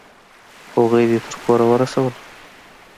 هغوی دې تر کوره ورسول؟